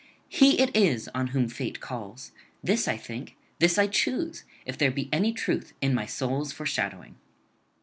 He it is on whom fate calls; this I think, this I choose, if there be any truth in my soul's foreshadowing.'